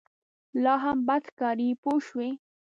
لا هم بد ښکاري پوه شوې!.